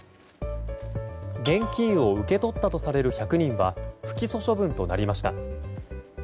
現金を受け取ったとされる１００人は不起訴処分となりました。